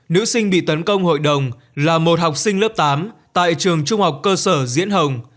nữ sinh bị tấn công hội đồng là một học sinh lớp tám tại trường trung học cơ sở diễn hồng